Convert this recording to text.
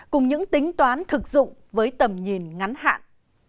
cùng những tính toán thực dụng với tầm nhìn ngắn hạn